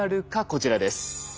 こちらです。